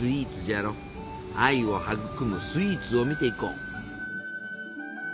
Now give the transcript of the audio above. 愛を育むスイーツを見ていこう。